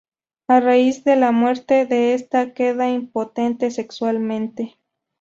A raíz de la muerte de esta, queda impotente sexualmente.